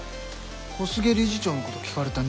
小菅理事長のこと聞かれた。